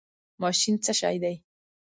ماشین څه شی دی؟